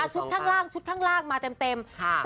ชุดข้างล่างชุดข้างล่างมาเต็ม